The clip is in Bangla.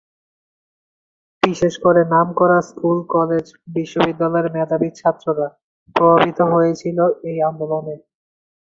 বিশেষত নামকরা স্কুল কলেজ বিশ্ববিদ্যালয়ের মেধাবী ছাত্ররা প্রভাবিত হয়েছিল এই আন্দোলনে।